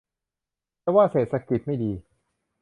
จะว่าเศรษฐกิจไม่ดี